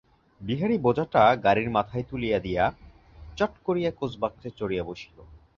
বিহারী বোঝাটা গাড়ির মাথায় তুলিয়া দিয়া চট করিয়া কোচবাক্সে চড়িয়া বসিল।